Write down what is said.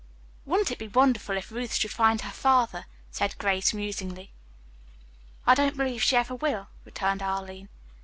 "Wouldn't it be wonderful if Ruth should find her father?" said Grace musingly. "I don't believe she ever will," returned Arline.